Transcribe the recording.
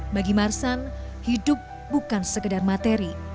bagi marsan hidup bukan sekedar materi